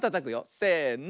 せの。